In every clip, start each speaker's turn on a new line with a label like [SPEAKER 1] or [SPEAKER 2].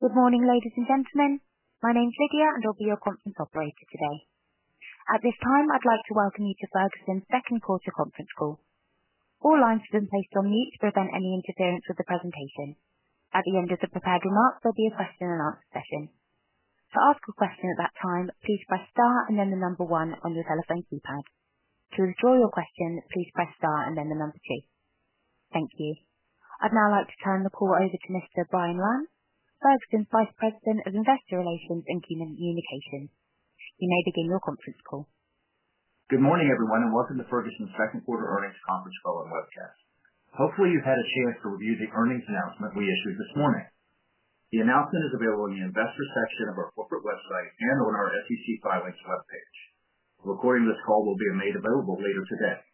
[SPEAKER 1] Good morning, ladies and gentlemen. My name's Lydia, and I'll be your conference operator today. At this time, I'd like to welcome you to Ferguson's second quarter conference call. All lines have been placed on mute to prevent any interference with the presentation. At the end of the prepared remarks, there'll be a question and answer session. To ask a question at that time, please press star and then the number one on your telephone keypad. To withdraw your question, please press star and then the number two. Thank you. I'd now like to turn the call over to Mr. Brian Lantz, Ferguson's Vice President of Investor Relations and Human Communications. You may begin your conference call.
[SPEAKER 2] Good morning, everyone, and welcome to Ferguson's second quarter earnings conference call and webcast. Hopefully, you've had a chance to review the earnings announcement we issued this morning. The announcement is available in the investor section of our corporate website and on our SEC filings webpage. The recording of this call will be made available later today.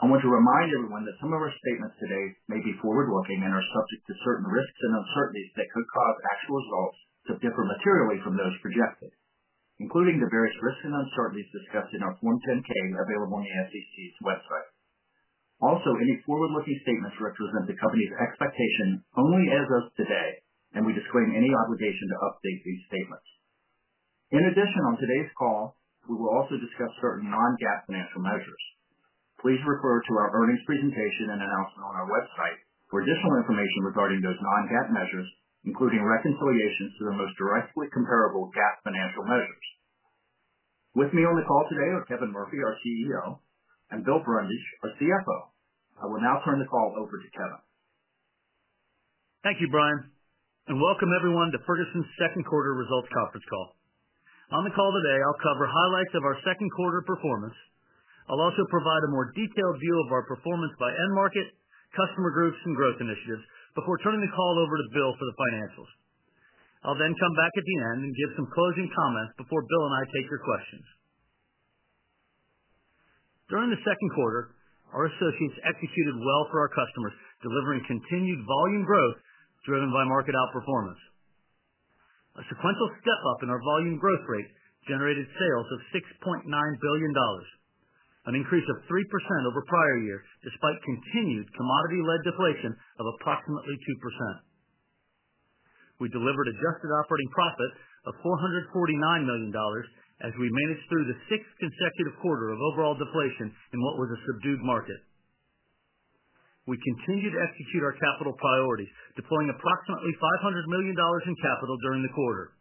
[SPEAKER 2] I want to remind everyone that some of our statements today may be forward-looking and are subject to certain risks and uncertainties that could cause actual results to differ materially from those projected, including the various risks and uncertainties discussed in our Form 10-K available on the SEC's website. Also, any forward-looking statements represent the company's expectation only as of today, and we disclaim any obligation to update these statements. In addition, on today's call, we will also discuss certain non-GAAP financial measures. Please refer to our earnings presentation and announcement on our website for additional information regarding those non-GAAP measures, including reconciliations to the most directly comparable GAAP financial measures. With me on the call today are Kevin Murphy, our CEO, and Bill Brundage, our CFO. I will now turn the call over to Kevin.
[SPEAKER 3] Thank you, Brian, and welcome everyone to Ferguson's second quarter results conference call. On the call today, I'll cover highlights of our second quarter performance. I'll also provide a more detailed view of our performance by end market, customer groups, and growth initiatives before turning the call over to Bill for the financials. I'll then come back at the end and give some closing comments before Bill and I take your questions. During the second quarter, our associates executed well for our customers, delivering continued volume growth driven by market outperformance. A sequential step-up in our volume growth rate generated sales of $6.9 billion, an increase of 3% over prior year despite continued commodity-led deflation of approximately 2%. We delivered adjusted operating profit of $449 million as we managed through the sixth consecutive quarter of overall deflation in what was a subdued market. We continued to execute our capital priorities, deploying approximately $500 million in capital during the quarter,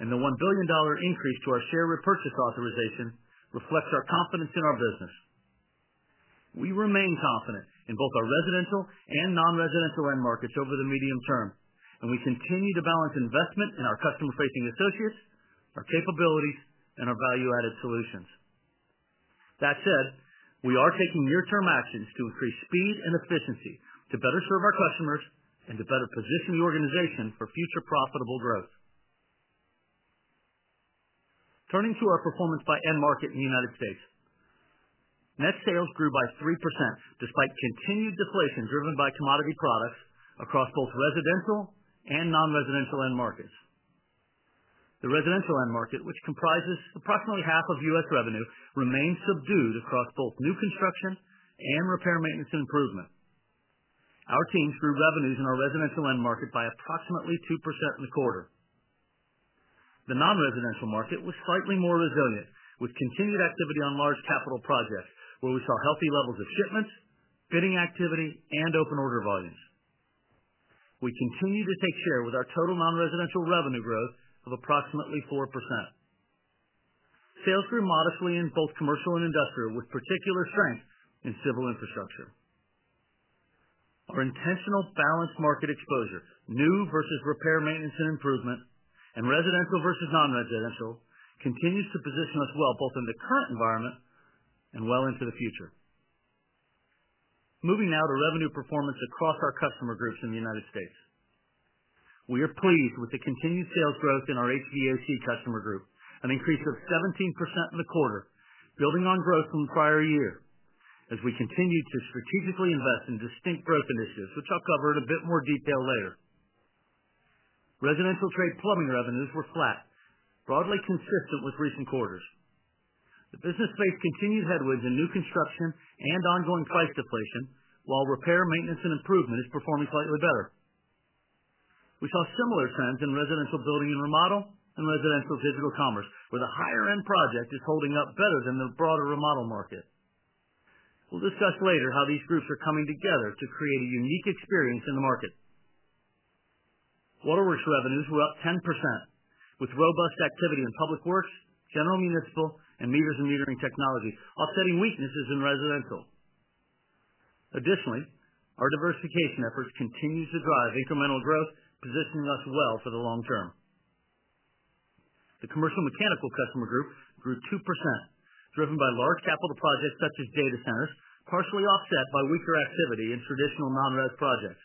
[SPEAKER 3] and the $1 billion increase to our share repurchase authorization reflects our confidence in our business. We remain confident in both our residential and non-residential end markets over the medium term, and we continue to balance investment in our customer-facing associates, our capabilities, and our value-added solutions. That said, we are taking near-term actions to increase speed and efficiency to better serve our customers and to better position the organization for future profitable growth. Turning to our performance by end market in the US, net sales grew by 3% despite continued deflation driven by commodity products across both residential and non-residential end markets. The residential end market, which comprises approximately half of US revenue, remained subdued across both new construction and repair maintenance and improvement. Our teams grew revenues in our residential end market by approximately 2% in the quarter. The non-residential market was slightly more resilient, with continued activity on large capital projects where we saw healthy levels of shipments, bidding activity, and open order volumes. We continue to take share with our total non-residential revenue growth of approximately 4%. Sales grew modestly in both commercial and industrial, with particular strength in civil infrastructure. Our intentional balanced market exposure, new versus repair maintenance and improvement, and residential versus non-residential, continues to position us well both in the current environment and well into the future. Moving now to revenue performance across our customer groups in the United States. We are pleased with the continued sales growth in our HVAC customer group, an increase of 17% in the quarter, building on growth from prior year as we continue to strategically invest in distinct growth initiatives, which I'll cover in a bit more detail later. Residential trade plumbing revenues were flat, broadly consistent with recent quarters. The business faced continued headwinds in new construction and ongoing price deflation, while repair maintenance and improvement is performing slightly better. We saw similar trends in residential building and remodel and residential digital commerce, where the higher-end project is holding up better than the broader remodel market. We'll discuss later how these groups are coming together to create a unique experience in the market. Waterworks revenues were up 10%, with robust activity in public works, general municipal, and meters and metering technology, offsetting weaknesses in residential. Additionally, our diversification efforts continue to drive incremental growth, positioning us well for the long term. The commercial mechanical customer group grew 2%, driven by large capital projects such as data centers, partially offset by weaker activity in traditional non-res projects.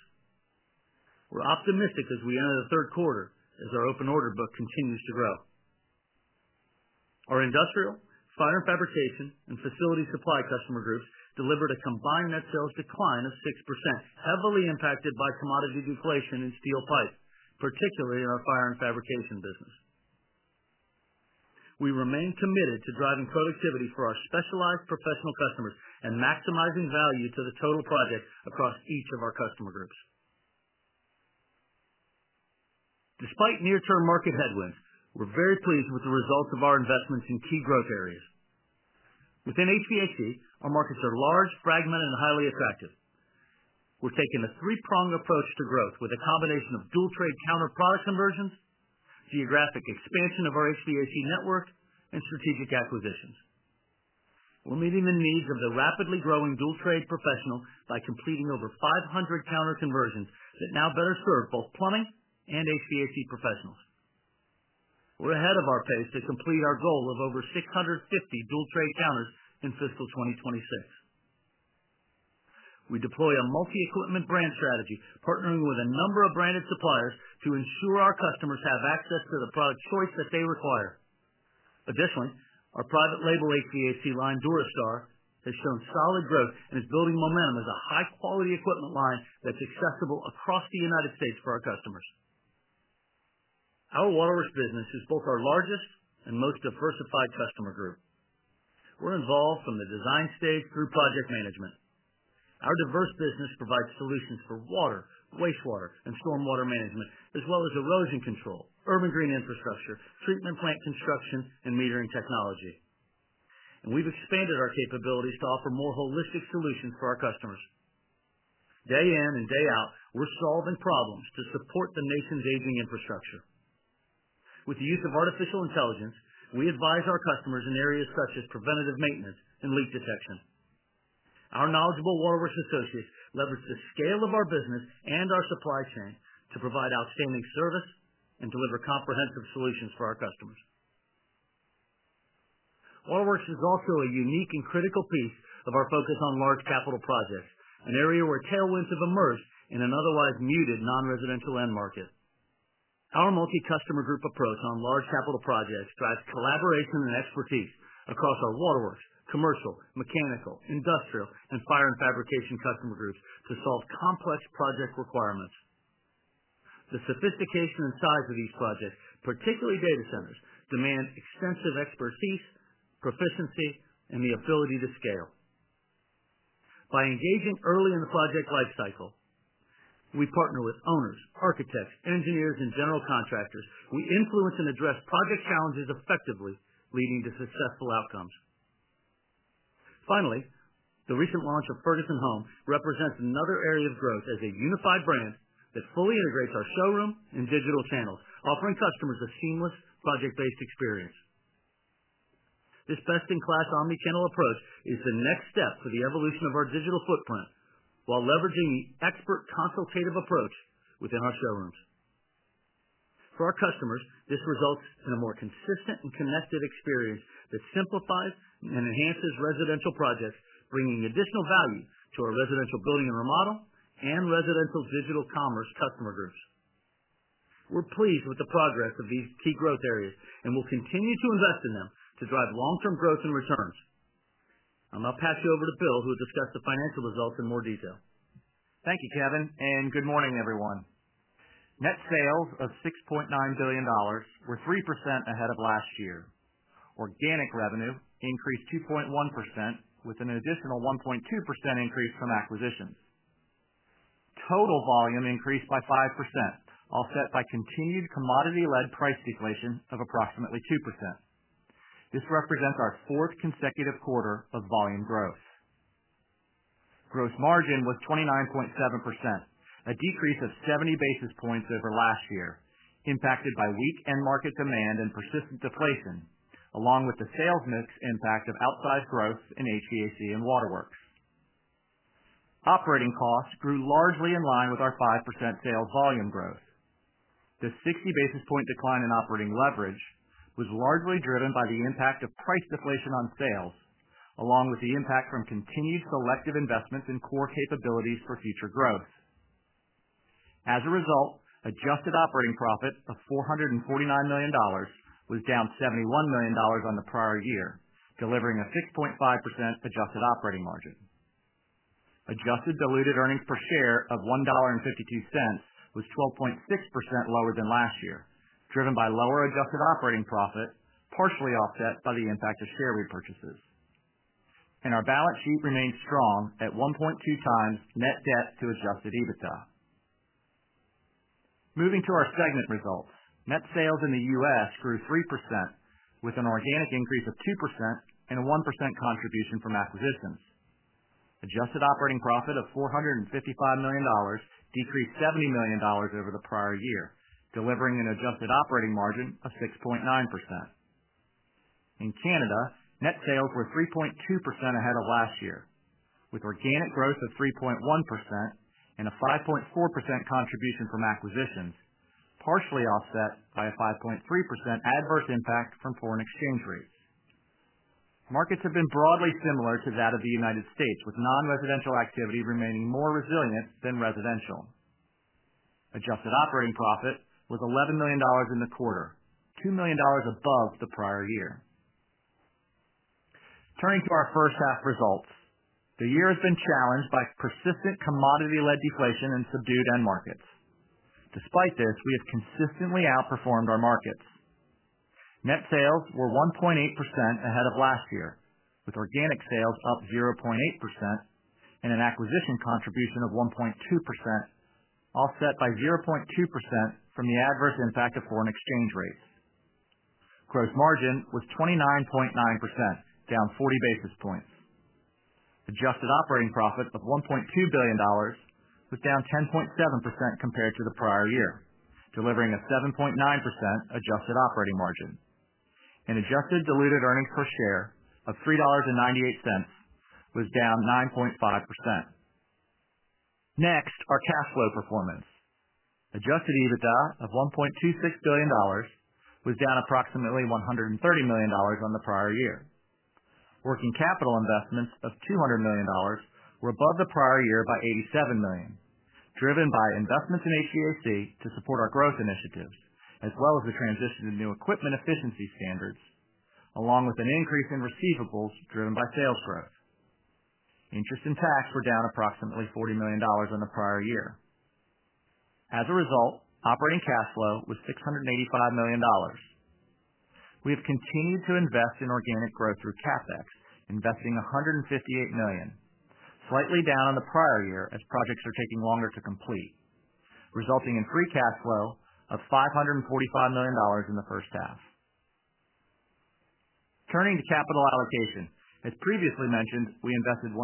[SPEAKER 3] We're optimistic as we enter the third quarter as our open order book continues to grow. Our industrial, fire and fabrication, and facility supply customer groups delivered a combined net sales decline of 6%, heavily impacted by commodity deflation in steel pipes, particularly in our fire and fabrication business. We remain committed to driving productivity for our specialized professional customers and maximizing value to the total project across each of our customer groups. Despite near-term market headwinds, we're very pleased with the results of our investments in key growth areas. Within HVAC, our markets are large, fragmented, and highly attractive. We're taking a three-pronged approach to growth with a combination of dual-trade counter product conversions, geographic expansion of our HVAC network, and strategic acquisitions. We're meeting the needs of the rapidly growing dual-trade professional by completing over 500 counter conversions that now better serve both plumbing and HVAC professionals. We're ahead of our pace to complete our goal of over 650 dual-trade counters in fiscal 2026. We deploy a multi-equipment brand strategy, partnering with a number of branded suppliers to ensure our customers have access to the product choice that they require. Additionally, our private label HVAC line, Durastar, has shown solid growth and is building momentum as a high-quality equipment line that's accessible across the United States for our customers. Our waterworks business is both our largest and most diversified customer group. We're involved from the design stage through project management. Our diverse business provides solutions for water, wastewater, and stormwater management, as well as erosion control, urban green infrastructure, treatment plant construction, and metering technology. We have expanded our capabilities to offer more holistic solutions for our customers. Day in and day out, we're solving problems to support the nation's aging infrastructure. With the use of artificial intelligence, we advise our customers in areas such as preventative maintenance and leak detection. Our knowledgeable Waterworks associates leverage the scale of our business and our supply chain to provide outstanding service and deliver comprehensive solutions for our customers. Waterworks is also a unique and critical piece of our focus on large capital projects, an area where tailwinds have emerged in an otherwise muted non-residential end market. Our multi-customer group approach on large capital projects drives collaboration and expertise across our waterworks, commercial, mechanical, industrial, and fire and fabrication customer groups to solve complex project requirements. The sophistication and size of these projects, particularly data centers, demand extensive expertise, proficiency, and the ability to scale. By engaging early in the project lifecycle, we partner with owners, architects, engineers, and general contractors. We influence and address project challenges effectively, leading to successful outcomes. Finally, the recent launch of Ferguson Home represents another area of growth as a unified brand that fully integrates our showroom and digital channels, offering customers a seamless project-based experience. This best-in-class omnichannel approach is the next step for the evolution of our digital footprint while leveraging the expert consultative approach within our showrooms. For our customers, this results in a more consistent and connected experience that simplifies and enhances residential projects, bringing additional value to our residential building and remodel and residential digital commerce customer groups. We're pleased with the progress of these key growth areas and will continue to invest in them to drive long-term growth and returns. I'll now pass you over to Bill, who will discuss the financial results in more detail.
[SPEAKER 4] Thank you, Kevin, and good morning, everyone. Net sales of $6.9 billion were 3% ahead of last year. Organic revenue increased 2.1% with an additional 1.2% increase from acquisitions. Total volume increased by 5%, offset by continued commodity-led price deflation of approximately 2%. This represents our fourth consecutive quarter of volume growth. Gross margin was 29.7%, a decrease of 70 basis points over last year, impacted by weak end market demand and persistent deflation, along with the sales mix impact of outsized growth in HVAC and waterworks. Operating costs grew largely in line with our 5% sales volume growth. The 60 basis point decline in operating leverage was largely driven by the impact of price deflation on sales, along with the impact from continued selective investments in core capabilities for future growth. As a result, adjusted operating profit of $449 million was down $71 million on the prior year, delivering a 6.5% adjusted operating margin. Adjusted diluted earnings per share of $1.52 was 12.6% lower than last year, driven by lower adjusted operating profit, partially offset by the impact of share repurchases. Our balance sheet remained strong at 1.2 times net debt to adjusted EBITDA. Moving to our segment results, net sales in the US grew 3% with an organic increase of 2% and a 1% contribution from acquisitions. Adjusted operating profit of $455 million decreased $70 million over the prior year, delivering an adjusted operating margin of 6.9%. In Canada, net sales were 3.2% ahead of last year, with organic growth of 3.1% and a 5.4% contribution from acquisitions, partially offset by a 5.3% adverse impact from foreign exchange rates. Markets have been broadly similar to that of the United States, with non-residential activity remaining more resilient than residential. Adjusted operating profit was $11 million in the quarter, $2 million above the prior year. Turning to our first-half results, the year has been challenged by persistent commodity-led deflation and subdued end markets. Despite this, we have consistently outperformed our markets. Net sales were 1.8% ahead of last year, with organic sales up 0.8% and an acquisition contribution of 1.2%, offset by 0.2% from the adverse impact of foreign exchange rates. Gross margin was 29.9%, down 40 basis points. Adjusted operating profit of $1.2 billion was down 10.7% compared to the prior year, delivering a 7.9% adjusted operating margin. Adjusted diluted earnings per share of $3.98 was down 9.5%. Next, our cash flow performance. Adjusted EBITDA of $1.26 billion was down approximately $130 million on the prior year. Working capital investments of $200 million were above the prior year by $87 million, driven by investments in HVAC to support our growth initiatives, as well as the transition to new equipment efficiency standards, along with an increase in receivables driven by sales growth. Interest and tax were down approximately $40 million on the prior year. As a result, operating cash flow was $685 million. We have continued to invest in organic growth through CapEx, investing $158 million, slightly down on the prior year as projects are taking longer to complete, resulting in free cash flow of $545 million in the first half. Turning to capital allocation, as previously mentioned, we invested $158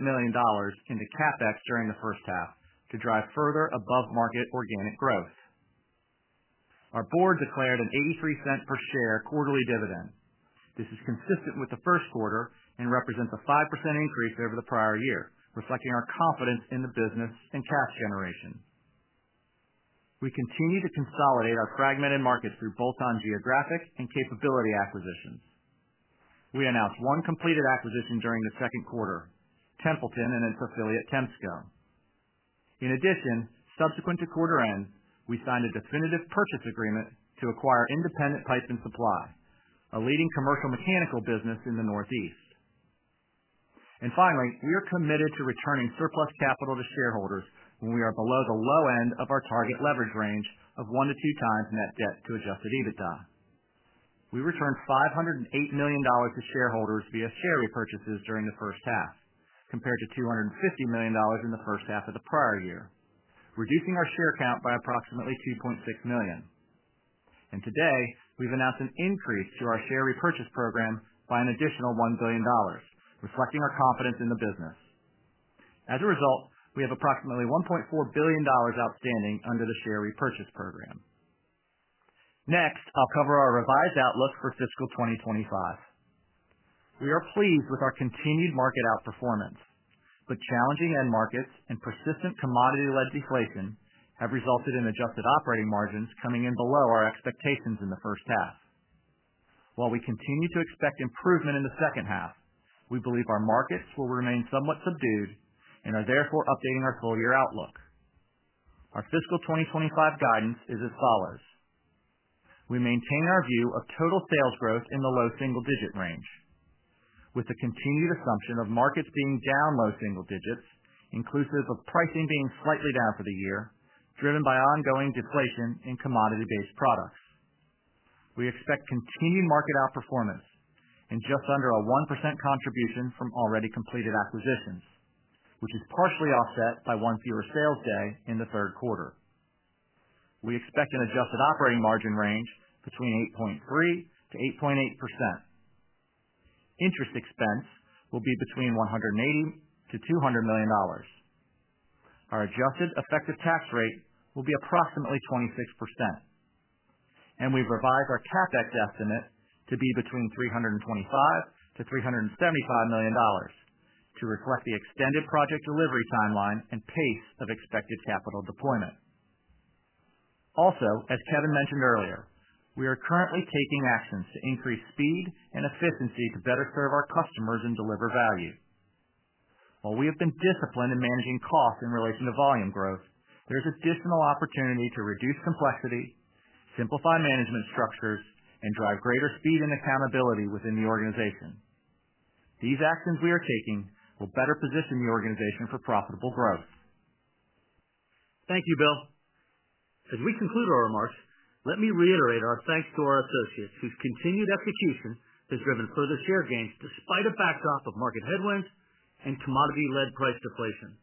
[SPEAKER 4] million into CapEx during the first half to drive further above-market organic growth. Our board declared an $0.83 per share quarterly dividend. This is consistent with the first quarter and represents a 5% increase over the prior year, reflecting our confidence in the business and cash generation. We continue to consolidate our fragmented markets through bolt-on geographic and capability acquisitions. We announced one completed acquisition during the second quarter, Templeton and its affiliate Temsco. In addition, subsequent to quarter end, we signed a definitive purchase agreement to acquire Independent Pipe & Supply, a leading commercial mechanical business in the Northeast. Finally, we are committed to returning surplus capital to shareholders when we are below the low end of our target leverage range of one to two times net debt to adjusted EBITDA. We returned $508 million to shareholders via share repurchases during the first half, compared to $250 million in the first half of the prior year, reducing our share count by approximately 2.6 million. Today, we've announced an increase to our share repurchase program by an additional $1 billion, reflecting our confidence in the business. As a result, we have approximately $1.4 billion outstanding under the share repurchase program. Next, I'll cover our revised outlook for fiscal 2025. We are pleased with our continued market outperformance, but challenging end markets and persistent commodity-led deflation have resulted in adjusted operating margins coming in below our expectations in the first half. While we continue to expect improvement in the second half, we believe our markets will remain somewhat subdued and are therefore updating our full-year outlook. Our fiscal 2025 guidance is as follows. We maintain our view of total sales growth in the low single-digit range, with the continued assumption of markets being down low single digits, inclusive of pricing being slightly down for the year, driven by ongoing deflation in commodity-based products. We expect continued market outperformance and just under a 1% contribution from already completed acquisitions, which is partially offset by one fewer sales day in the third quarter. We expect an adjusted operating margin range between 8.3% to 8.8%. Interest expense will be between $180 million to $200 million. Our adjusted effective tax rate will be approximately 26%. We have revised our CapEx estimate to be between $325 million to $375 million to reflect the extended project delivery timeline and pace of expected capital deployment. Also, as Kevin mentioned earlier, we are currently taking actions to increase speed and efficiency to better serve our customers and deliver value. While we have been disciplined in managing costs in relation to volume growth, there is additional opportunity to reduce complexity, simplify management structures, and drive greater speed and accountability within the organization. These actions we are taking will better position the organization for profitable growth.
[SPEAKER 3] Thank you, Bill. As we conclude our remarks, let me reiterate our thanks to our associates whose continued execution has driven further share gains despite a backdrop of market headwinds and commodity-led price deflation.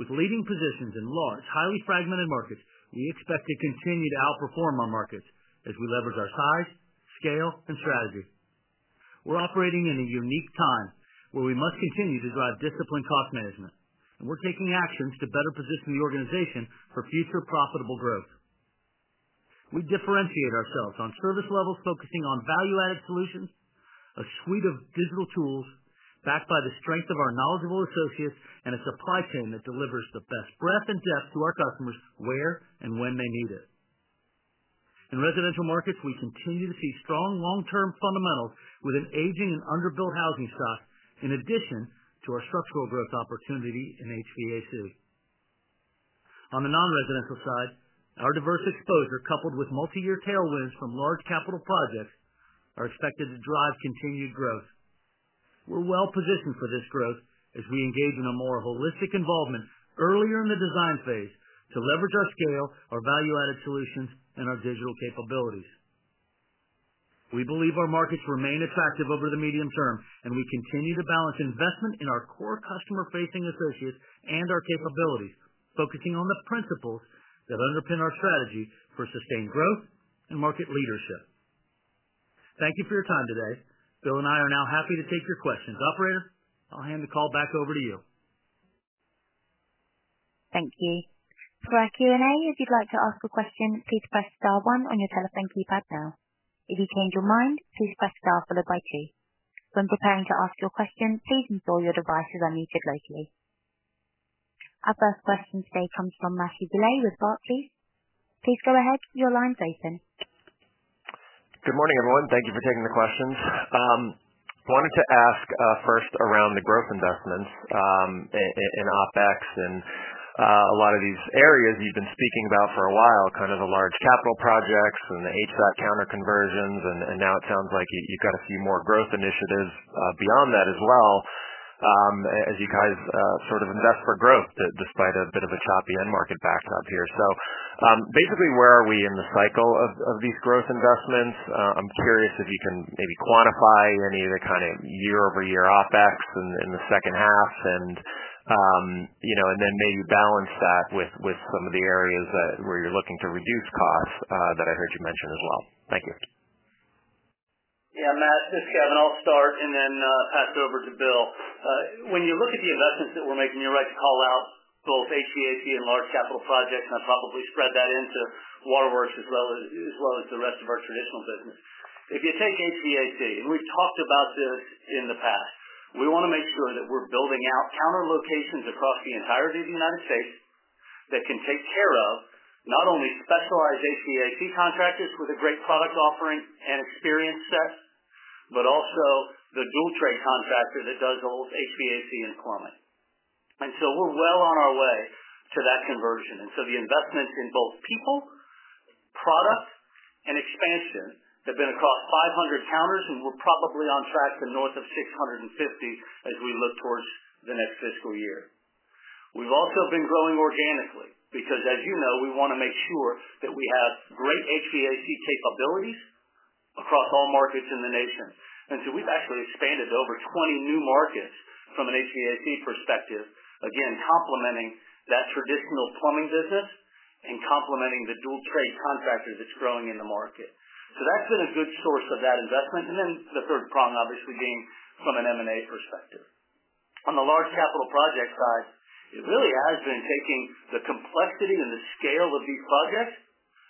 [SPEAKER 3] With leading positions in large, highly fragmented markets, we expect to continue to outperform our markets as we leverage our size, scale, and strategy. We're operating in a unique time where we must continue to drive disciplined cost management, and we're taking actions to better position the organization for future profitable growth. We differentiate ourselves on service levels focusing on value-added solutions, a suite of digital tools backed by the strength of our knowledgeable associates, and a supply chain that delivers the best breadth and depth to our customers where and when they need it. In residential markets, we continue to see strong long-term fundamentals with an aging and underbuilt housing stock, in addition to our structural growth opportunity in HVAC. On the non-residential side, our diverse exposure, coupled with multi-year tailwinds from large capital projects, are expected to drive continued growth. We're well positioned for this growth as we engage in a more holistic involvement earlier in the design phase to leverage our scale, our value-added solutions, and our digital capabilities. We believe our markets remain attractive over the medium term, and we continue to balance investment in our core customer-facing associates and our capabilities, focusing on the principles that underpin our strategy for sustained growth and market leadership. Thank you for your time today. Bill and I are now happy to take your questions. Operator, I'll hand the call back over to you.
[SPEAKER 1] Thank you. For our Q&A, if you'd like to ask a question, please press star one on your telephone keypad now. If you change your mind, please press star followed by two. When preparing to ask your question, please ensure your device is unmuted locally. Our first question today comes from Matthew Bouley with BofA Securities, please. Please go ahead. Your line's open.
[SPEAKER 5] Good morning, everyone. Thank you for taking the questions. I wanted to ask first around the growth investments in OpEx and a lot of these areas you've been speaking about for a while, kind of the large capital projects and the HVAC counter conversions. It sounds like you've got a few more growth initiatives beyond that as well as you guys sort of invest for growth despite a bit of a choppy end market backdrop here. Basically, where are we in the cycle of these growth investments? I'm curious if you can maybe quantify any of the kind of year-over-year OpEx in the second half and then maybe balance that with some of the areas where you're looking to reduce costs that I heard you mention as well. Thank you.
[SPEAKER 3] Yeah, Matt, this is Kevin. I'll start and then pass it over to Bill. When you look at the investments that we're making, you're right to call out both HVAC and large capital projects, and I'd probably spread that into waterworks as well as the rest of our traditional business. If you take HVAC, and we've talked about this in the past, we want to make sure that we're building out counter locations across the entirety of the United States that can take care of not only specialized HVAC contractors with a great product offering and experience set, but also the dual trade contractor that does all of HVAC and plumbing. We are well on our way to that conversion. The investments in both people, product, and expansion have been across 500 counters, and we're probably on track to north of 650 as we look towards the next fiscal year. We've also been growing organically because, as you know, we want to make sure that we have great HVAC capabilities across all markets in the nation. We've actually expanded to over 20 new markets from an HVAC perspective, again, complementing that traditional plumbing business and complementing the dual trade contractors that's growing in the market. That's been a good source of that investment. The third prong, obviously, being from an M&A perspective. On the large capital project side, it really has been taking the complexity and the scale of these projects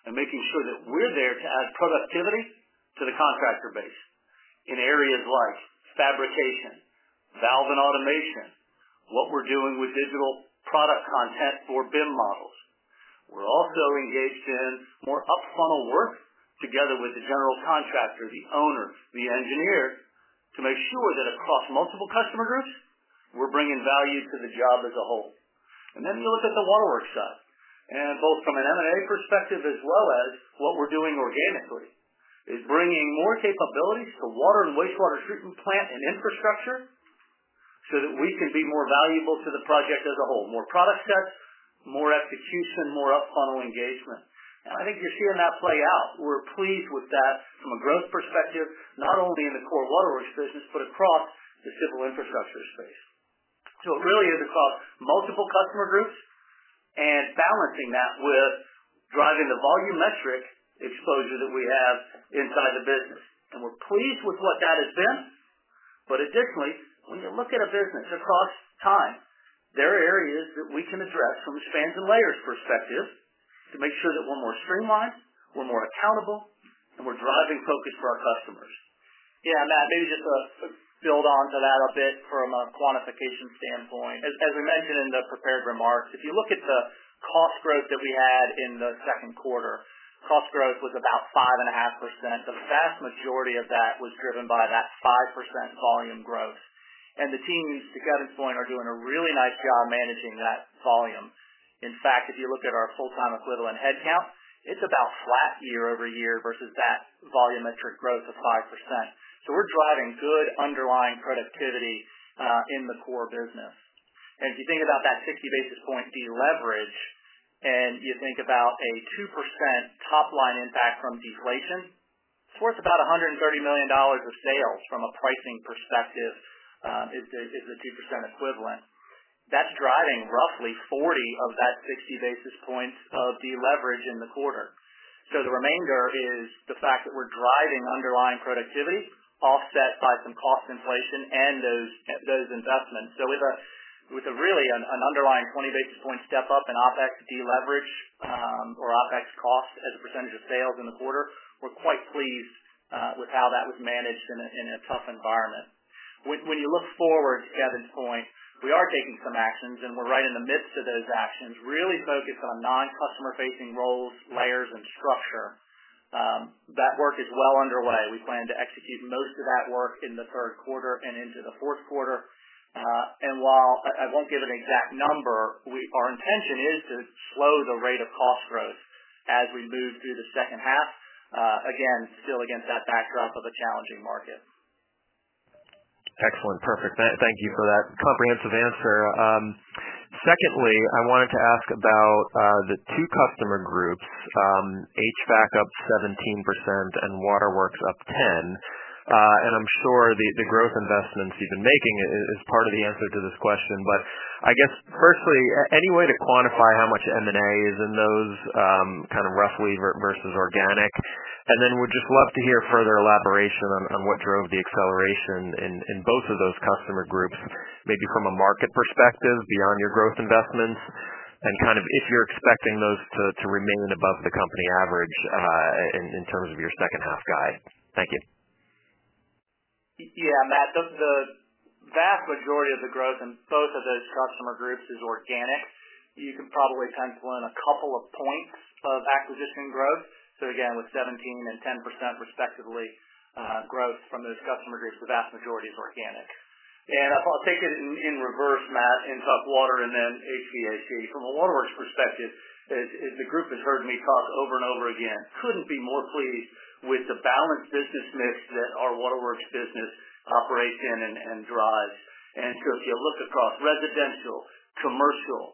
[SPEAKER 3] and making sure that we're there to add productivity to the contractor base in areas like fabrication, valve and automation, what we're doing with digital product content for BIM models. We're also engaged in more upfunnel work together with the general contractor, the owner, the engineer, to make sure that across multiple customer groups, we're bringing value to the job as a whole. You look at the waterworks side. Both from an M&A perspective as well as what we're doing organically is bringing more capabilities to water and wastewater treatment plant and infrastructure so that we can be more valuable to the project as a whole, more product sets, more execution, more upfunnel engagement. I think you're seeing that play out. We're pleased with that from a growth perspective, not only in the core waterworks business, but across the civil infrastructure space. It really is across multiple customer groups and balancing that with driving the volumetric exposure that we have inside the business. We're pleased with what that has been. Additionally, when you look at a business across time, there are areas that we can address from a spans and layers perspective to make sure that we're more streamlined, we're more accountable, and we're driving focus for our customers. Yeah, Matt, maybe just to build on to that a bit from a quantification standpoint. As we mentioned in the prepared remarks, if you look at the cost growth that we had in the second quarter, cost growth was about 5.5%. The vast majority of that was driven by that 5% volume growth. The teams, to Gavin's point, are doing a really nice job managing that volume. In fact, if you look at our full-time equivalent headcount, it's about flat year over year versus that volumetric growth of 5%. We are driving good underlying productivity in the core business. If you think about that 60 basis point deleverage and you think about a 2% top-line impact from deflation, it's worth about $130 million of sales from a pricing perspective as the 2% equivalent. That is driving roughly 40 of that 60 basis points of deleverage in the quarter. The remainder is the fact that we are driving underlying productivity offset by some cost inflation and those investments. With really an underlying 20 basis point step up in OpEx deleverage or OpEx cost as a percentage of sales in the quarter, we're quite pleased with how that was managed in a tough environment. When you look forward, Gavin's point, we are taking some actions, and we're right in the midst of those actions, really focused on non-customer-facing roles, layers, and structure. That work is well underway. We plan to execute most of that work in the third quarter and into the fourth quarter. While I won't give an exact number, our intention is to slow the rate of cost growth as we move through the second half, again, still against that backdrop of a challenging market.
[SPEAKER 5] Excellent. Perfect. Thank you for that comprehensive answer. Secondly, I wanted to ask about the two customer groups, HVAC up 17% and waterworks up 10%. I'm sure the growth investments you've been making is part of the answer to this question. I guess, firstly, any way to quantify how much M&A is in those kind of roughly versus organic? We'd just love to hear further elaboration on what drove the acceleration in both of those customer groups, maybe from a market perspective beyond your growth investments, and kind of if you're expecting those to remain above the company average in terms of your second-half guide. Thank you.
[SPEAKER 3] Yeah, Matt, the vast majority of the growth in both of those customer groups is organic. You can probably pencil in a couple of points of acquisition growth. With 17% and 10% respectively growth from those customer groups, the vast majority is organic. I'll take it in reverse, Matt, in top water and then HVAC. From a waterworks perspective, the group has heard me talk over and over again. Couldn't be more pleased with the balanced business mix that our waterworks business operates in and drives. If you look across residential, commercial,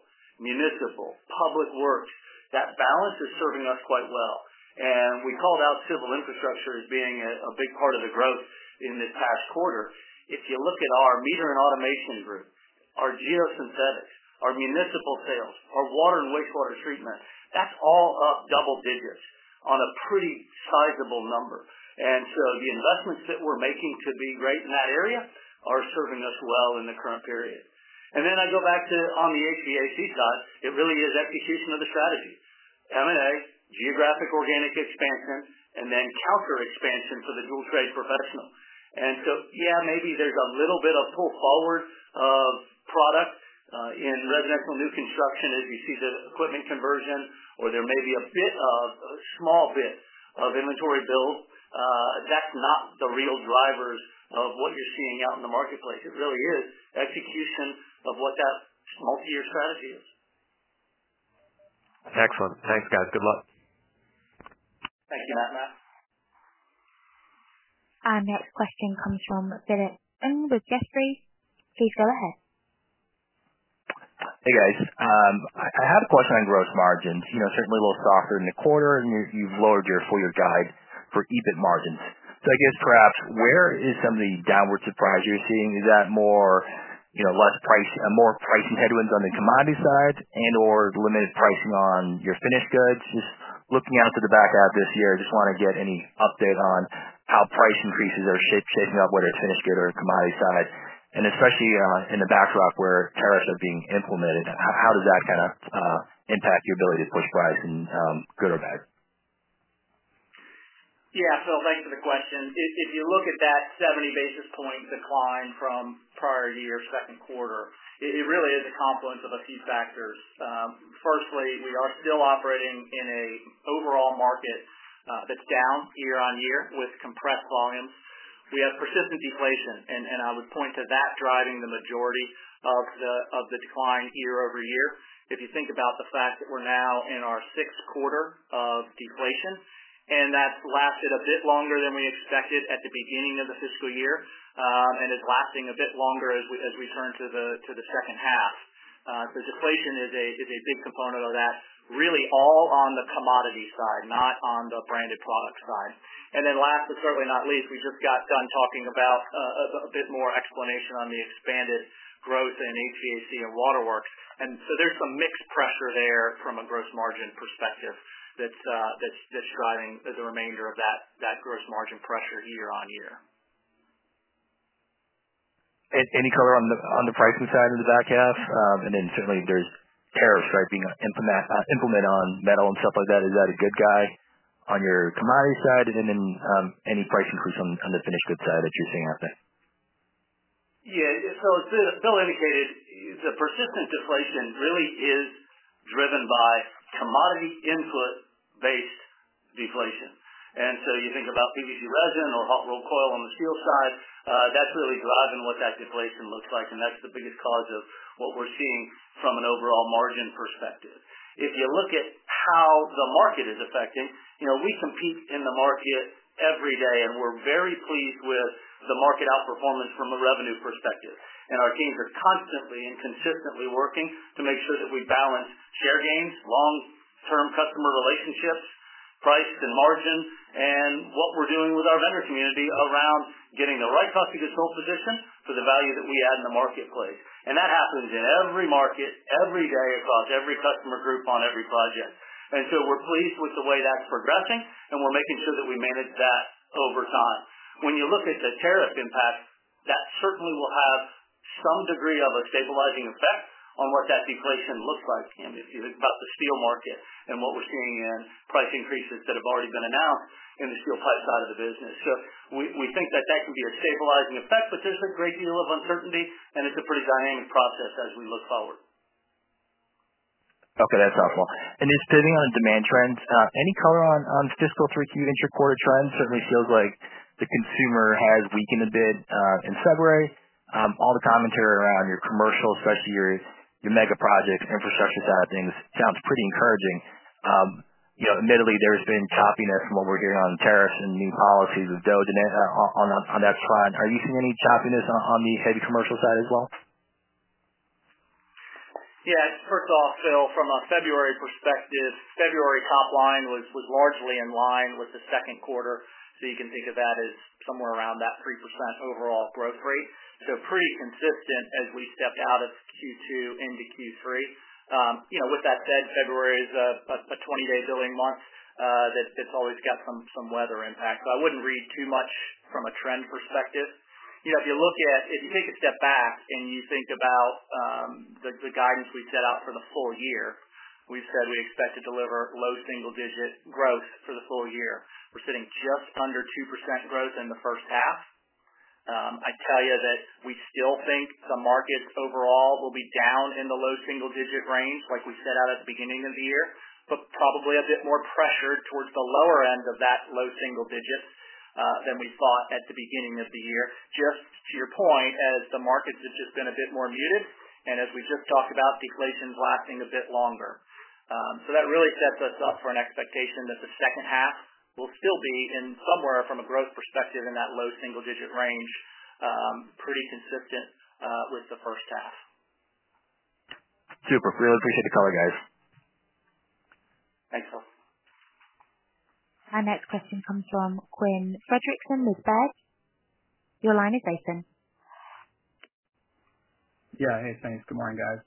[SPEAKER 3] municipal, public works, that balance is serving us quite well. We called out civil infrastructure as being a big part of the growth in this past quarter. If you look at our meter and automation group, our geosynthetics, our municipal sales, our water and wastewater treatment, that's all up double digits on a pretty sizable number. The investments that we're making to be great in that area are serving us well in the current period. I go back to on the HVAC side, it really is execution of the strategy, M&A, geographic organic expansion, and then counter expansion for the dual trade professional. Yeah, maybe there's a little bit of pull forward of product in residential new construction as you see the equipment conversion, or there may be a small bit of inventory build. That's not the real drivers of what you're seeing out in the marketplace. It really is execution of what that multi-year strategy is.
[SPEAKER 5] Excellent. Thanks, guys. Good luck.
[SPEAKER 3] Thank you, Matt.
[SPEAKER 1] Our next question comes from Phil with Jefferies. Please go ahead.
[SPEAKER 5] Hey, guys. I had a question on gross margins. Certainly a little softer in the quarter, and you've lowered your full-year guide for EBIT margins. I guess perhaps where is some of the downward surprise you're seeing? Is that more or less pricing headwinds on the commodity side and/or limited pricing on your finished goods? Just looking out to the back half this year, just want to get any update on how price increases are shaping up, whether it's finished good or commodity side. Especially in the backdrop where tariffs are being implemented, how does that kind of impact your ability to push price, good or bad?
[SPEAKER 3] Yeah, Phil, thanks for the question. If you look at that 70 basis point decline from prior year second quarter, it really is a confluence of a few factors. Firstly, we are still operating in an overall market that's down year on year with compressed volumes. We have persistent deflation, and I would point to that driving the majority of the decline year over year. If you think about the fact that we're now in our sixth quarter of deflation, and that's lasted a bit longer than we expected at the beginning of the fiscal year, and it's lasting a bit longer as we turn to the second half. Deflation is a big component of that, really all on the commodity side, not on the branded product side. Last but certainly not least, we just got done talking about a bit more explanation on the expanded growth in HVAC and waterworks. There is some mixed pressure there from a gross margin perspective that is driving the remainder of that gross margin pressure year on year.
[SPEAKER 5] Any color on the pricing side of the back half? Certainly there's tariffs being implemented on metal and stuff like that. Is that a good guy on your commodity side? Any price increase on the finished goods side that you're seeing out there?
[SPEAKER 3] Yeah. As Bill indicated, the persistent deflation really is driven by commodity input-based deflation. You think about PVC resin or hot rolled coil on the steel side, that's really driving what that deflation looks like. That's the biggest cause of what we're seeing from an overall margin perspective. If you look at how the market is affecting, we compete in the market every day, and we're very pleased with the market outperformance from a revenue perspective. Our teams are constantly and consistently working to make sure that we balance share gains, long-term customer relationships, price and margin. And what we're doing with our vendor community around getting the right cost of goods sold position for the value that we add in the marketplace. That happens in every market, every day across every customer group on every project. We're pleased with the way that's progressing, and we're making sure that we manage that over time. When you look at the tariff impact, that certainly will have some degree of a stabilizing effect on what that deflation looks like. If you think about the steel market and what we're seeing in price increases that have already been announced in the steel pipe side of the business, we think that that can be a stabilizing effect, but there's a great deal of uncertainty, and it's a pretty dynamic process as we look forward.
[SPEAKER 5] Okay, that's helpful. Just pivoting on demand trends, any color on fiscal three-quarter trends? Certainly feels like the consumer has weakened a bit in February. All the commentary around your commercial, especially your mega projects, infrastructure side of things sounds pretty encouraging. Admittedly, there's been choppiness from what we're hearing on tariffs and new policies with DOGE on that front. Are you seeing any choppiness on the heavy commercial side as well?
[SPEAKER 3] Yeah. First off, Phil, from a February perspective, February top line was largely in line with the second quarter. You can think of that as somewhere around that 3% overall growth rate. Pretty consistent as we stepped out of Q2 into Q3. With that said, February is a 20-day billing month that's always got some weather impact. I wouldn't read too much from a trend perspective. If you take a step back and you think about the guidance we set out for the full year, we've said we expect to deliver low single-digit growth for the full year. We're sitting just under 2% growth in the first half. I tell you that we still think the markets overall will be down in the low single-digit range like we set out at the beginning of the year, but probably a bit more pressured towards the lower end of that low single digit than we thought at the beginning of the year. Just to your point, as the markets have just been a bit more muted, and as we just talked about, deflation's lasting a bit longer. That really sets us up for an expectation that the second half will still be in somewhere from a growth perspective in that low single-digit range, pretty consistent with the first half.
[SPEAKER 5] Super. Really appreciate the call, guys.
[SPEAKER 3] Thanks, Phil.
[SPEAKER 1] Our next question comes from Quinn Fredrickson with RBC. Your line is open.
[SPEAKER 6] Yeah, hey, thanks. Good morning, guys.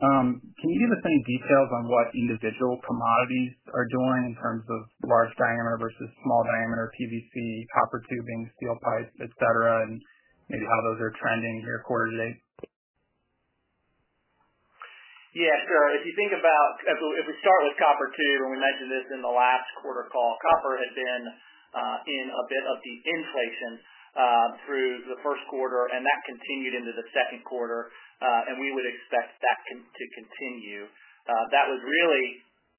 [SPEAKER 6] Can you give us any details on what individual commodities are doing in terms of large diameter versus small diameter PVC, copper tube, steel pipes, etc., and maybe how those are trending here quarter to date?
[SPEAKER 3] Yeah, sure. If you think about if we start with copper tube, and we mentioned this in the last quarter call, copper had been in a bit of the inflation through the first quarter, and that continued into the second quarter. We would expect that to continue. That was really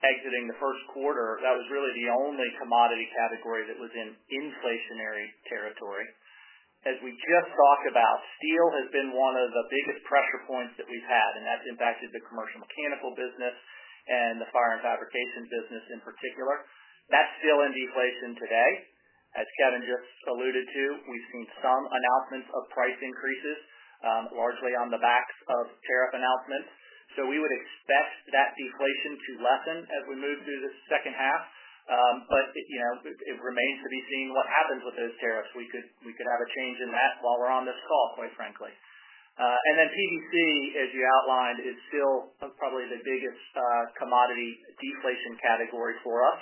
[SPEAKER 3] exiting the first quarter. That was really the only commodity category that was in inflationary territory. As we just talked about, steel has been one of the biggest pressure points that we've had, and that's impacted the commercial mechanical business and the fire and fabrication business in particular. That's still in deflation today. As Kevin just alluded to, we've seen some announcements of price increases, largely on the backs of tariff announcements. We would expect that deflation to lessen as we move through the second half, but it remains to be seen what happens with those tariffs. We could have a change in that while we're on this call, quite frankly. PVC, as you outlined, is still probably the biggest commodity deflation category for us.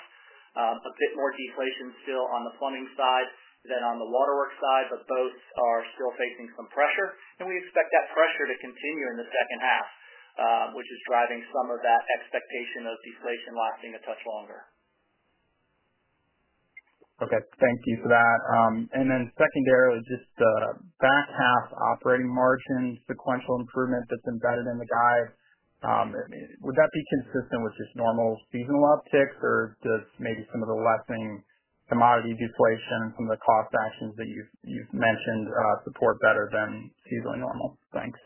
[SPEAKER 3] A bit more deflation still on the plumbing side than on the waterworks side, but both are still facing some pressure. We expect that pressure to continue in the second half, which is driving some of that expectation of deflation lasting a touch longer.
[SPEAKER 5] Okay. Thank you for that. Then secondarily, just the back half operating margin sequential improvement that's embedded in the guide. Would that be consistent with just normal seasonal upticks, or does maybe some of the lessening commodity deflation and some of the cost actions that you've mentioned support better than seasonally normal? Thanks.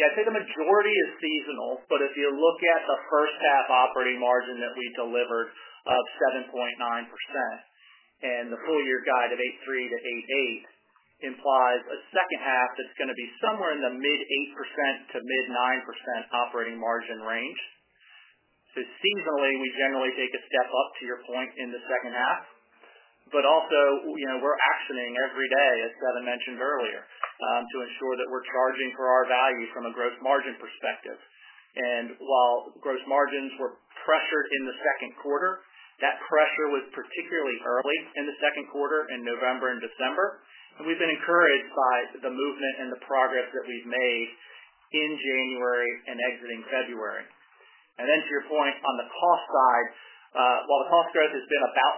[SPEAKER 3] Yeah. I'd say the majority is seasonal, but if you look at the first half operating margin that we delivered of 7.9% and the full-year guide of 8.3 to 8.8% implies a second half that's going to be somewhere in the mid 8% to mid 9% operating margin range. Seasonally, we generally take a step up to your point in the second half. We are also actioning every day, as Kevin mentioned earlier, to ensure that we're charging for our value from a gross margin perspective. While gross margins were pressured in the second quarter, that pressure was particularly early in the second quarter in November and December. We've been encouraged by the movement and the progress that we've made in January and exiting February.To your point on the cost side, while the cost growth has been about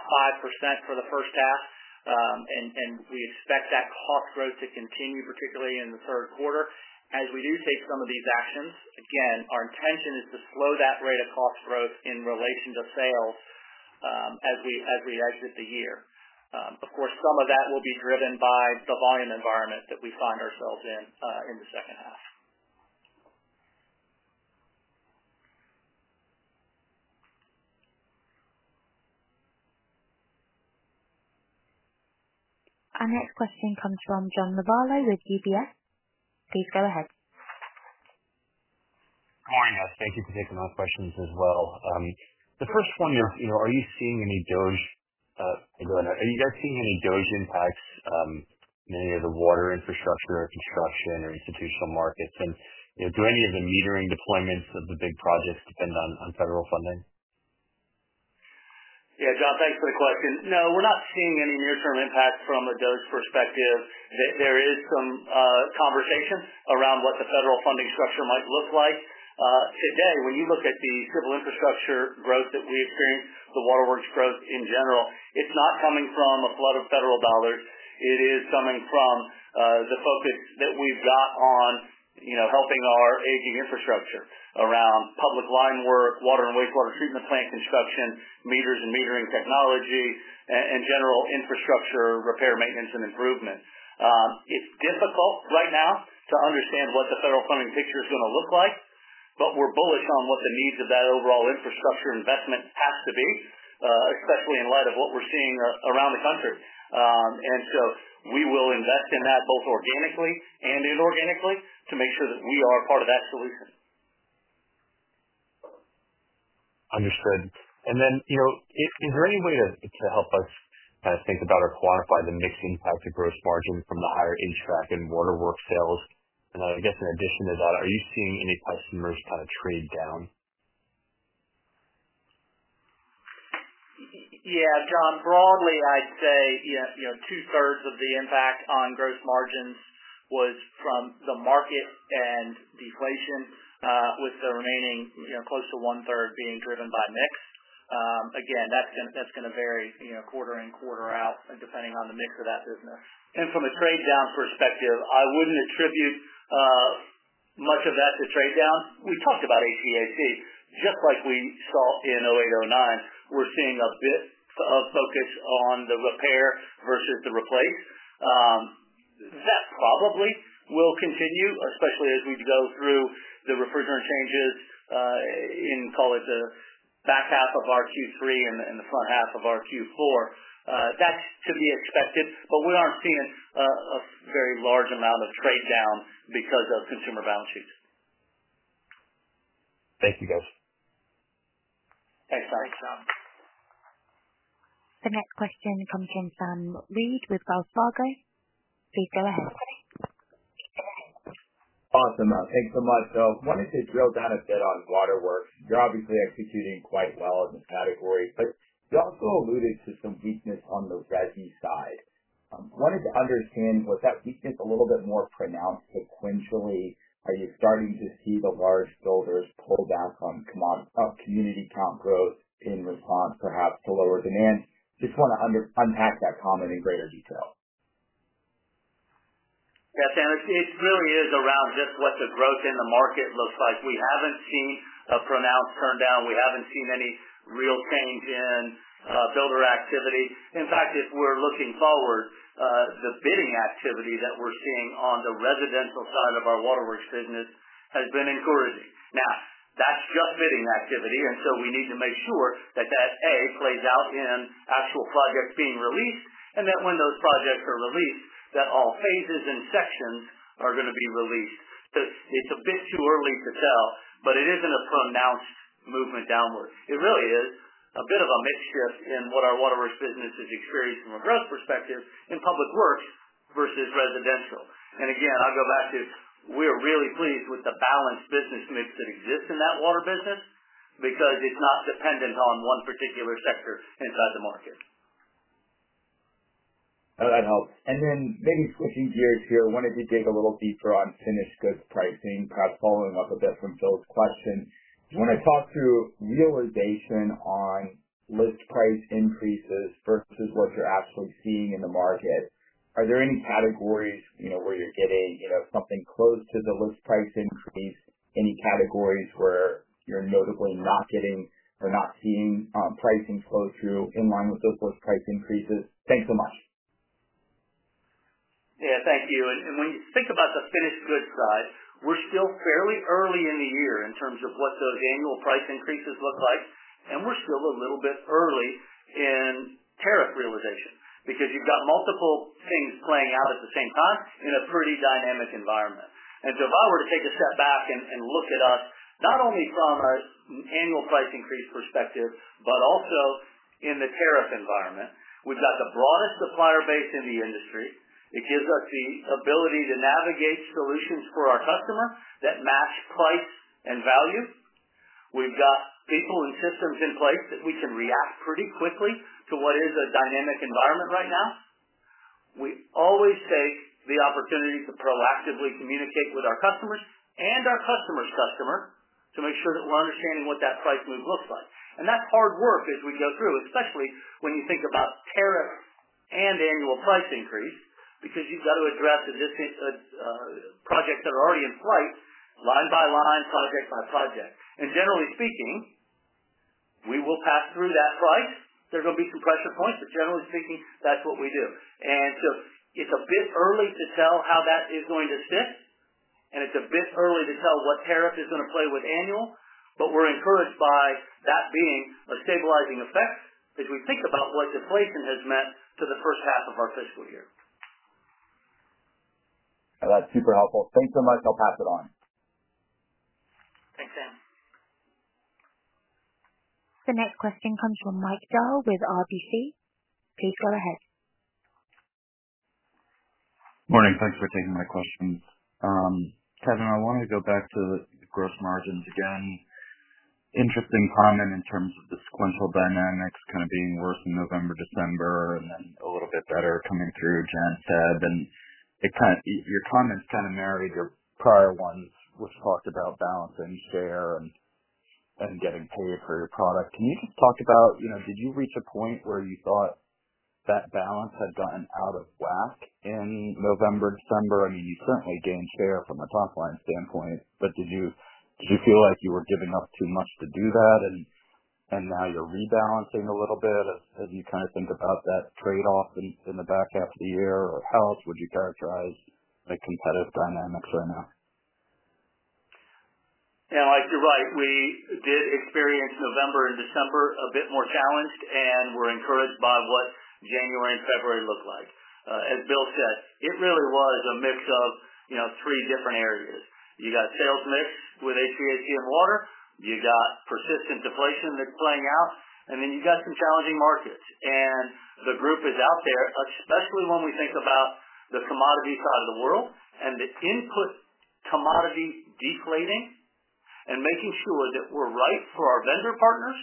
[SPEAKER 3] 5% for the first half, and we expect that cost growth to continue, particularly in the third quarter, as we do take some of these actions, again, our intention is to slow that rate of cost growth in relation to sales as we exit the year. Of course, some of that will be driven by the volume environment that we find ourselves in in the second half.
[SPEAKER 1] Our next question comes from John Lovallo with UBS. Please go ahead.
[SPEAKER 7] Good morning, guys. Thank you for taking my questions as well. The first one is, are you seeing any deflation? Are you guys seeing any deflation impacts in any of the water infrastructure or construction or institutional markets? And do any of the metering deployments of the big projects depend on federal funding?
[SPEAKER 3] Yeah, John, thanks for the question. No, we're not seeing any near-term impact from a DOGE perspective. There is some conversation around what the federal funding structure might look like. Today, when you look at the civil infrastructure growth that we experience, the waterworks growth in general, it's not coming from a flood of federal dollars. It is coming from the focus that we've got on helping our aging infrastructure around public line work, water and wastewater treatment plant construction, meters and metering technology, and general infrastructure repair, maintenance, and improvement. It's difficult right now to understand what the federal funding picture is going to look like, but we're bullish on what the needs of that overall infrastructure investment has to be, especially in light of what we're seeing around the country. We will invest in that both organically and inorganically to make sure that we are part of that solution.
[SPEAKER 7] Understood. Is there any way to help us kind of think about or quantify the mixed impact of gross margin from the higher HVAC and waterworks sales? I guess in addition to that, are you seeing any customers kind of trade down?
[SPEAKER 3] Yeah, John, broadly, I'd say two-thirds of the impact on gross margins was from the market and deflation, with the remaining close to one-third being driven by mix. Again, that's going to vary quarter and quarter out depending on the mix of that business. From a trade-down perspective, I wouldn't attribute much of that to trade-down. We talked about ACAC. Just like we saw in 2008/2009, we're seeing a bit of focus on the repair versus the replace. That probably will continue, especially as we go through the refrigerant changes in, call it, the back half of our Q3 and the front half of our Q4. That's to be expected, but we aren't seeing a very large amount of trade-down because of consumer balance sheets.
[SPEAKER 7] Thank you, guys.
[SPEAKER 3] Thanks, John.
[SPEAKER 1] The next question comes from Sam Reid with Wells Fargo. Please go ahead.
[SPEAKER 8] Awesome. Thanks so much. I wanted to drill down a bit on waterworks. You're obviously executing quite well in this category, but you also alluded to some weakness on the resin side. I wanted to understand, was that weakness a little bit more pronounced sequentially? Are you starting to see the large builders pull back on community count growth in response perhaps to lower demand? I just want to unpack that comment in greater detail.
[SPEAKER 3] Yeah, it really is around just what the growth in the market looks like. We haven't seen a pronounced turndown. We haven't seen any real change in builder activity. In fact, if we're looking forward, the bidding activity that we're seeing on the residential side of our waterworks business has been encouraging. Now, that's just bidding activity, and we need to make sure that that, A, plays out in actual projects being released, and that when those projects are released, that all phases and sections are going to be released. It is a bit too early to tell, but it isn't a pronounced movement downward. It really is a bit of a mixed shift in what our waterworks business has experienced from a growth perspective in public works versus residential. I'll go back to we're really pleased with the balanced business mix that exists in that water business because it's not dependent on one particular sector inside the market.
[SPEAKER 8] That helps. Maybe switching gears here, I wanted to dig a little deeper on finished goods pricing, perhaps following up a bit from Phil's question. When I talk through realization on list price increases versus what you're actually seeing in the market, are there any categories where you're getting something close to the list price increase? Any categories where you're notably not getting or not seeing pricing flow through in line with those list price increases? Thanks so much.
[SPEAKER 3] Yeah, thank you. When you think about the finished goods side, we're still fairly early in the year in terms of what those annual price increases look like, and we're still a little bit early in tariff realization because you've got multiple things playing out at the same time in a pretty dynamic environment. If I were to take a step back and look at us, not only from an annual price increase perspective, but also in the tariff environment, we've got the broadest supplier base in the industry. It gives us the ability to navigate solutions for our customer that match price and value. We've got people and systems in place that we can react pretty quickly to what is a dynamic environment right now. We always take the opportunity to proactively communicate with our customers and our customer's customer to make sure that we're understanding what that price move looks like. That is hard work as we go through, especially when you think about tariff and annual price increase because you've got to address projects that are already in flight, line by line, project by project. Generally speaking, we will pass through that price. There are going to be some pressure points, but generally speaking, that's what we do. It is a bit early to tell how that is going to sit, and it's a bit early to tell what tariff is going to play with annual, but we're encouraged by that being a stabilizing effect as we think about what deflation has meant to the first half of our fiscal year.
[SPEAKER 8] That's super helpful. Thanks so much. I'll pass it on.
[SPEAKER 3] Thanks, Sam.
[SPEAKER 1] The next question comes from Mike Dahl with RBC. Please go ahead.
[SPEAKER 9] Morning. Thanks for taking my question. Kevin, I wanted to go back to the gross margins again. Interesting comment in terms of the sequential dynamics kind of being worse in November, December, and then a little bit better coming through January, February. And your comments kind of married your prior ones, which talked about balancing share and getting paid for your product. Can you just talk about, did you reach a point where you thought that balance had gotten out of whack in November, December? I mean, you certainly gained share from a top-line standpoint, but did you feel like you were giving up too much to do that, and now you're rebalancing a little bit as you kind of think about that trade-off in the back half of the year? Or how else would you characterize the competitive dynamics right now?
[SPEAKER 3] Yeah, Mike, you're right. We did experience November and December a bit more challenged, and we're encouraged by what January and February look like. As Bill said, it really was a mix of three different areas. You got sales mix with ACAC and water. You got persistent deflation that's playing out, and then you got some challenging markets. The group is out there, especially when we think about the commodity side of the world and the input commodity deflating and making sure that we're right for our vendor partners,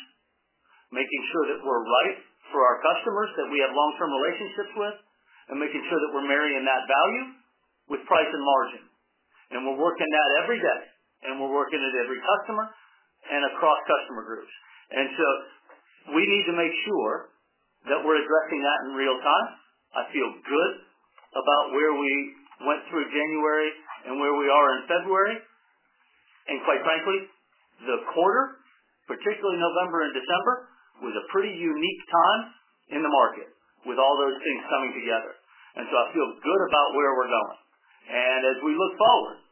[SPEAKER 3] making sure that we're right for our customers that we have long-term relationships with, and making sure that we're marrying that value with price and margin. We're working that every day, and we're working with every customer and across customer groups. We need to make sure that we're addressing that in real time. I feel good about where we went through January and where we are in February. Quite frankly, the quarter, particularly November and December, was a pretty unique time in the market with all those things coming together. I feel good about where we're going. As we look forward,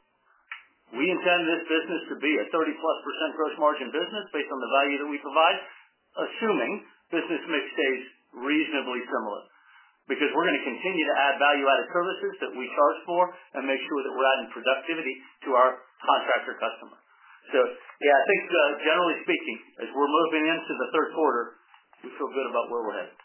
[SPEAKER 3] we intend this business to be a 30+% gross margin business based on the value that we provide, assuming business mix stays reasonably similar because we're going to continue to add value-added services that we charge for and make sure that we're adding productivity to our contractor customer. Yeah, I think generally speaking, as we're moving into the third quarter, we feel good about where we're headed.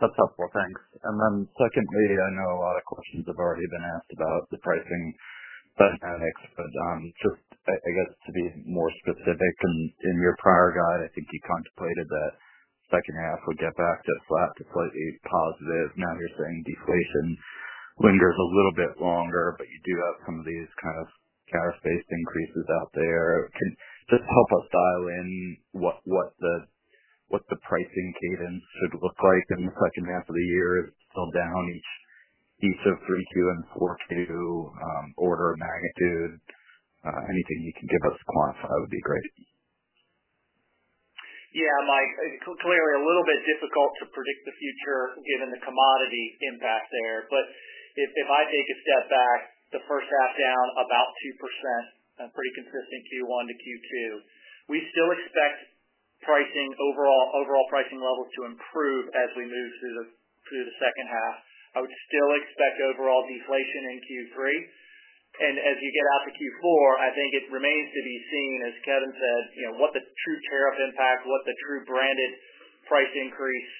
[SPEAKER 9] That's helpful. Thanks. I know a lot of questions have already been asked about the pricing dynamics, but just, I guess, to be more specific, in your prior guide, I think you contemplated that second half would get back to flat to slightly positive. Now you're saying deflation lingers a little bit longer, but you do have some of these kind of tariff-based increases out there. Can you just help us dial in what the pricing cadence should look like in the second half of the year? Is it still down each of 3Q and 4Q order of magnitude? Anything you can give us to quantify would be great.
[SPEAKER 3] Yeah, Mike. Clearly, a little bit difficult to predict the future given the commodity impact there. But if I take a step back, the first half down about 2%, pretty consistent Q1 to Q2, we still expect overall pricing levels to improve as we move through the second half. I would still expect overall deflation in Q3. As you get out to Q4, I think it remains to be seen, as Kevin said, what the true tariff impact, what the true branded price increase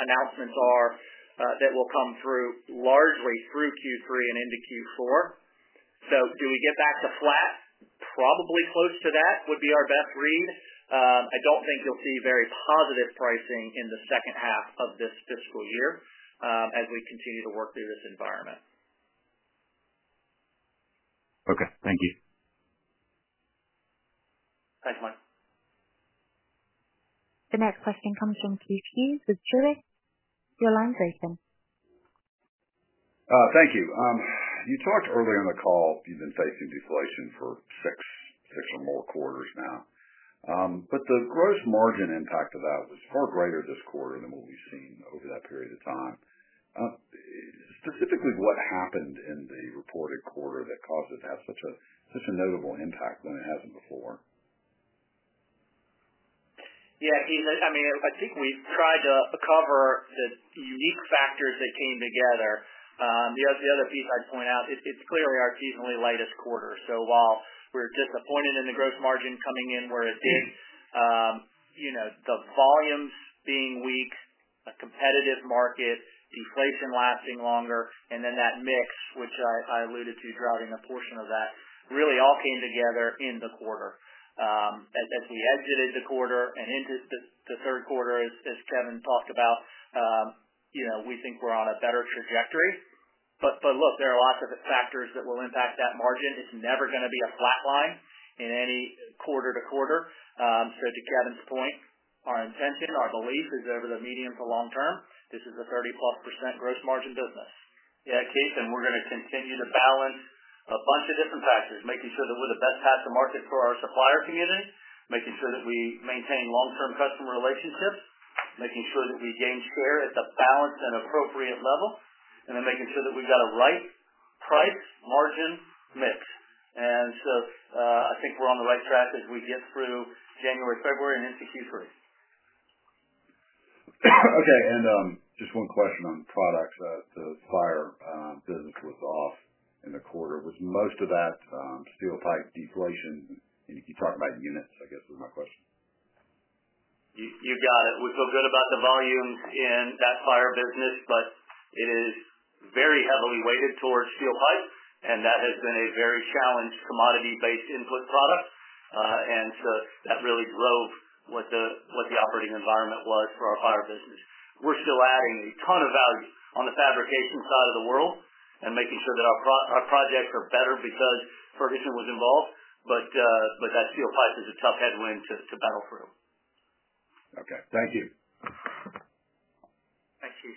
[SPEAKER 3] announcements are that will come largely through Q3 and into Q4. Do we get back to flat? Probably close to that would be our best read. I do not think you will see very positive pricing in the second half of this fiscal year as we continue to work through this environment.
[SPEAKER 9] Okay. Thank you.
[SPEAKER 3] Thanks, Mike.
[SPEAKER 1] The next question comes from Keith Hughes with Truist. Your line's open.
[SPEAKER 10] Thank you. You talked earlier in the call, you've been facing deflation for six or more quarters now. The gross margin impact of that was far greater this quarter than what we've seen over that period of time. Specifically, what happened in the reported quarter that caused it to have such a notable impact when it hasn't before?
[SPEAKER 3] Yeah, Keith, I mean, I think we've tried to cover the unique factors that came together. The other piece I'd point out, it's clearly our seasonally lightest quarter. While we're disappointed in the gross margin coming in where it did, the volumes being weak, a competitive market, deflation lasting longer, and then that mix, which I alluded to, drowning a portion of that, really all came together in the quarter. As we exited the quarter and into the third quarter, as Kevin talked about, we think we're on a better trajectory. Look, there are lots of factors that will impact that margin. It's never going to be a flat line in any quarter to quarter. To Kevin's point, our intention, our belief is over the medium to long term, this is a 30+% gross margin business. Yeah, Keith, and we're going to continue to balance a bunch of different factors, making sure that we're the best path to market for our supplier community, making sure that we maintain long-term customer relationships, making sure that we gain share at the balanced and appropriate level, and then making sure that we've got a right price margin mix. I think we're on the right track as we get through January, February, and into Q3.
[SPEAKER 10] Okay. Just one question on products. The fire business was off in the quarter. Was most of that steel pipe deflation? If you talk about units, I guess, was my question.
[SPEAKER 3] You got it. We feel good about the volumes in that fire business, but it is very heavily weighted towards steel pipe, and that has been a very challenged commodity-based input product. That really drove what the operating environment was for our fire business. We're still adding a ton of value on the fabrication side of the world and making sure that our projects are better because Ferguson was involved, but that steel pipe is a tough headwind to battle through.
[SPEAKER 10] Okay. Thank you.
[SPEAKER 3] Thanks, Keith.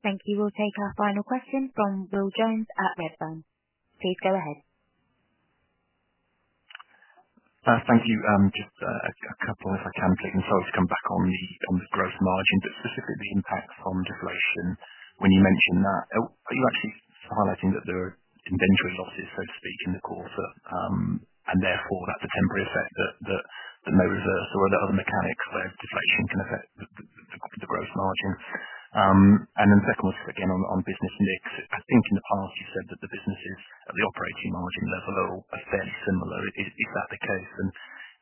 [SPEAKER 1] Thank you. We'll take our final question from Will Jones at RBC. Please go ahead.
[SPEAKER 11] Thank you. Just a couple, if I can, to consult to come back on the gross margin, but specifically the impact from deflation. When you mentioned that, you're actually highlighting that there are inventory losses, so to speak, in the quarter, and therefore that's a temporary effect that may reverse or other mechanics where deflation can affect the gross margin. Then second was, again, on business mix. I think in the past you said that the businesses at the operating margin level are fairly similar. Is that the case?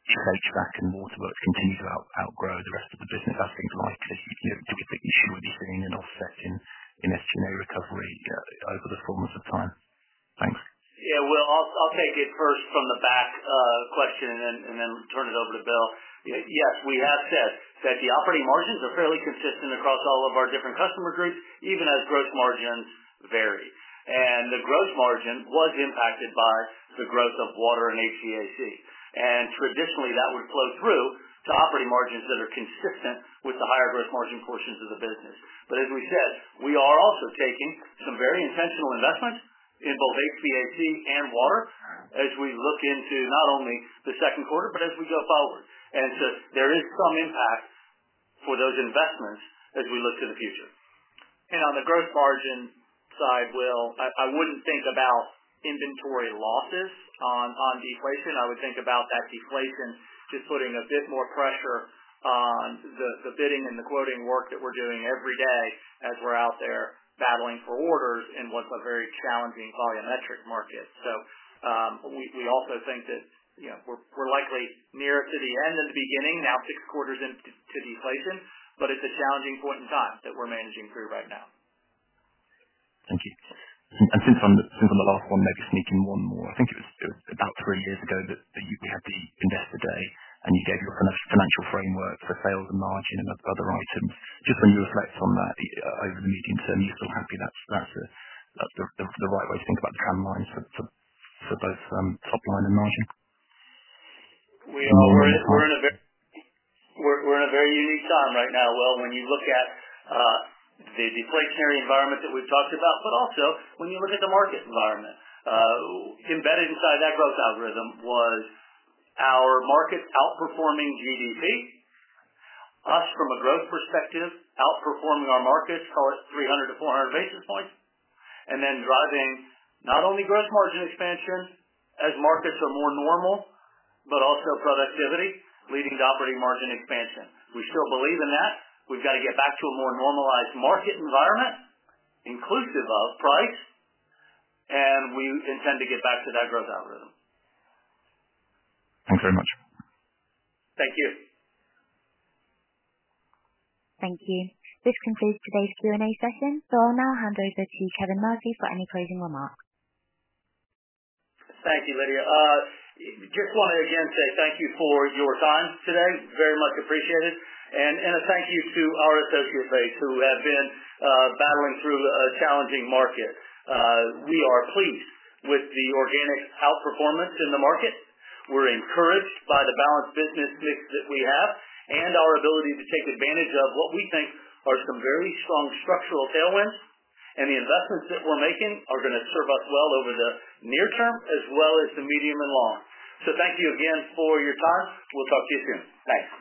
[SPEAKER 11] If HVAC and waterworks continue to outgrow the rest of the business, as things like, do we think you should be seeing an offset in SG&A recovery over the foremost of time? Thanks.
[SPEAKER 3] Yeah, Will, I'll take it first from the back question and then turn it over to Bill. Yes, we have said that the operating margins are fairly consistent across all of our different customer groups, even as gross margins vary. The gross margin was impacted by the growth of water and HVAC. Traditionally, that would flow through to operating margins that are consistent with the higher gross margin portions of the business. As we said, we are also taking some very intentional investments in both HVAC and water as we look into not only the second quarter, but as we go forward. There is some impact for those investments as we look to the future. On the gross margin side, Will, I wouldn't think about inventory losses on deflation. I would think about that deflation just putting a bit more pressure on the bidding and the quoting work that we're doing every day as we're out there battling for orders in what's a very challenging volumetric market. We also think that we're likely near to the end and the beginning, now six quarters into deflation, but it's a challenging point in time that we're managing through right now.
[SPEAKER 11] Thank you. Since on the last one, maybe sneak in one more. I think it was about three years ago that we had the Investor Day, and you gave your financial framework for sales and margin and other items. Just when you reflect on that over the medium term, you're still happy that's the right way to think about the trend lines for both top line and margin?
[SPEAKER 3] We're in a very unique time right now, Will, when you look at the deflationary environment that we've talked about, but also when you look at the market environment. Embedded inside that growth algorithm was our markets outperforming GDP, us from a growth perspective, outperforming our markets, call it 300 to 400 basis points, and then driving not only gross margin expansion as markets are more normal, but also productivity leading to operating margin expansion. We still believe in that. We've got to get back to a more normalized market environment, inclusive of price, and we intend to get back to that growth algorithm.
[SPEAKER 11] Thanks very much.
[SPEAKER 3] Thank you.
[SPEAKER 1] Thank you. This concludes today's Q&A session. I will now hand over to Kevin Murphy for any closing remarks.
[SPEAKER 3] Thank you, Lydia. Just want to again say thank you for your time today. Very much appreciated. And a thank you to our associate base who have been battling through a challenging market. We are pleased with the organic outperformance in the market. We're encouraged by the balanced business mix that we have and our ability to take advantage of what we think are some very strong structural tailwinds. The investments that we're making are going to serve us well over the near term as well as the medium and long. Thank you again for your time. We'll talk to you soon. Thanks.